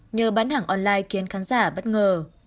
nhờ bán hàng online khiến khán giả bất ngờ